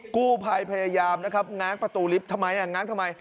กู้ภัยพยายามง้างประตูลิฟท์ทำไม